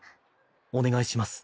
お願いします。